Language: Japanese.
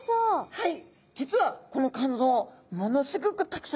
はい。